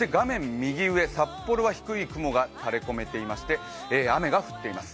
右上、札幌は低い雲が垂れこめていまして、雨が降っています。